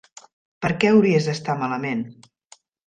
Per què hauries d'estar malament?